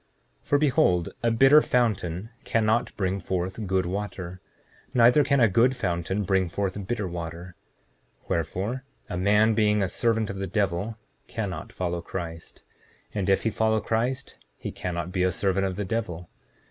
7:11 For behold, a bitter fountain cannot bring forth good water; neither can a good fountain bring forth bitter water; wherefore, a man being a servant of the devil cannot follow Christ; and if he follow Christ he cannot be a servant of the devil.